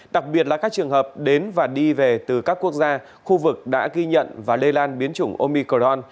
đặc biệt là các trường hợp đến và đi về từ các quốc gia khu vực đã ghi nhận và lây lan biến chủng omicron